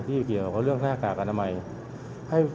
เกี่ยวกับเรื่องหน้ากากอนามัย